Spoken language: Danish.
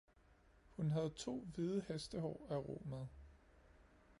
hun havde to hvide hestehår at ro med.